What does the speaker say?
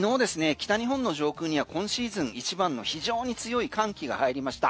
北日本の上空には今シーズン一番の非常に強い寒気が入りました。